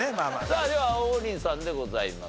さあでは王林さんでございますが。